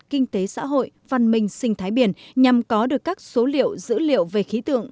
kinh tế xã hội văn minh sinh thái biển nhằm có được các số liệu dữ liệu về khí tượng